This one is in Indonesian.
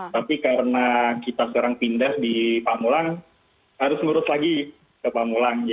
tapi karena kita sekarang pindah di pamulang harus ngurus lagi ke pamulang